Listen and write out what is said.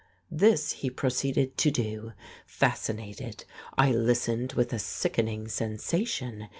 This he proceeded to do. Fascinated, I listened with a sickening sensation.